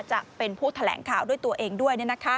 จะเป็นผู้แถลงข่าวด้วยตัวเองด้วย